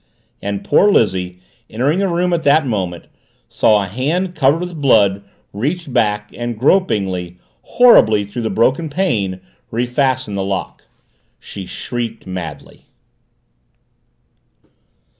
And poor Lizzie, entering the room at that moment, saw a hand covered with blood reach back and gropingly, horribly, through the broken pane, refasten the lock. She shrieked madly.